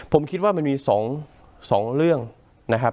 ผมคิดว่ามันมี๒เรื่องนะครับ